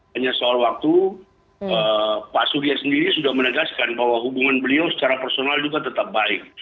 hanya soal waktu pak surya sendiri sudah menegaskan bahwa hubungan beliau secara personal juga tetap baik